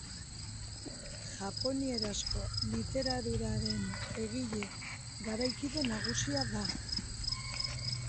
Japonierazko literaturaren egile garaikide nagusia da.